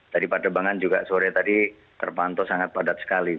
tadi padebangan juga sore tadi terpantau sangat padat sekali